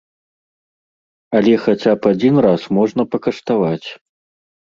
Але хаця б адзін раз можна пакаштаваць.